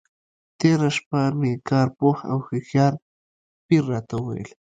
تېره شپه مې کار پوه او هوښیار پیر راته وویل.